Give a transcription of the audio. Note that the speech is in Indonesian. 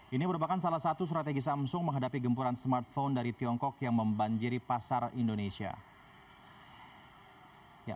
ini merupakan salah satu strategi samsung menghadapi gempuran smartphone dari tiongkok yang membanjiri pasar indonesia